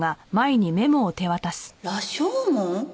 『羅生門』？